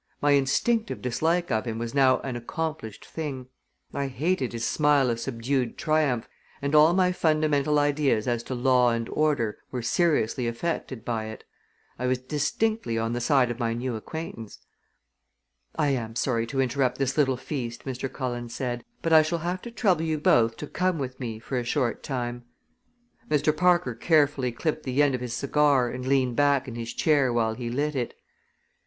My instinctive dislike of him was now an accomplished thing. I hated his smile of subdued triumph, and all my fundamental ideas as to law and order were seriously affected by it. I was distinctly on the side of my new acquaintance. "I am sorry to interrupt this little feast," Mr. Cullen said, "but I shall have to trouble you both to come with me for a short time." Mr. Parker carefully clipped the end of his cigar and leaned back in his chair while he lit it.